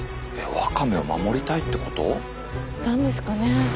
ワカメを守りたいってこと？なんですかね。